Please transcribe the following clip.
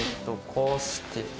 こうして。